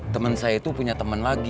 temen saya itu punya teman lagi